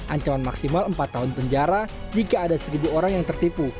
ancaman maksimal empat tahun penjara jika ada seribu orang yang tertipu